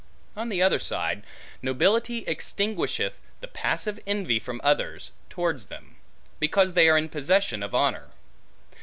On the other side, nobility extinguisheth the passive envy from others, towards them; because they are in possession of honor.